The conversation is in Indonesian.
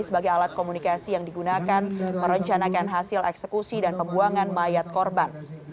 sebagai alat komunikasi yang digunakan merencanakan hasil eksekusi dan pembuangan mayat korban